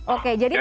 oke jadi tidak